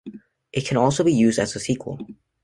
It can also be used as a sequel.